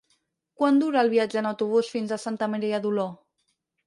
Quant dura el viatge en autobús fins a Santa Maria d'Oló?